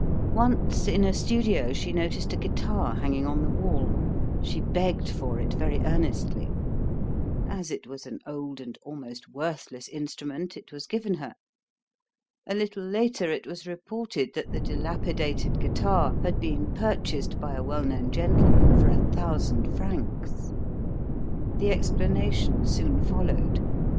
Once in a studio she noticed a guitar hanging on the wall. She begged for it very earnestly. As it was an old and almost worthless instrument, it was given her. A little later it was reported that the dilapidated guitar had been purchased by a well known gentleman for a thousand francs. The explanation soon followed.